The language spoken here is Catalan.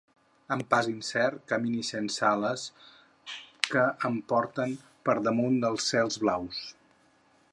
Amb pas incert camine sense ales que em porten per damunt dels cels blaus.